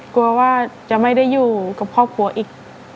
กลัวว่าจะไม่ได้อยู่กับครอบครัวอีก